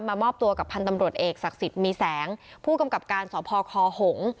มอบตัวกับพันธ์ตำรวจเอกศักดิ์สิทธิ์มีแสงผู้กำกับการสพคหง